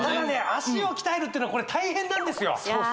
足を鍛えるっていうのはこれ大変なんですよいやー